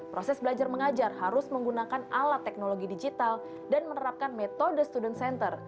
proses belajar mengajar harus menggunakan alat teknologi digital dan menerapkan metode student center